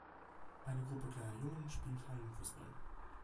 Eine Gruppe kleiner Jungen spielt Hallenfußball.